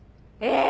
え！